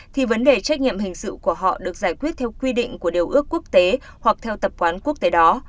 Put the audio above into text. thì vấn đề trách nhiệm hình sự của họ được giải quyết theo quy định của điều ước quốc tế hoặc theo tập quán quốc tế đó